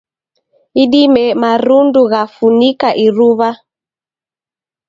Idime marundu ghafunika iruw'a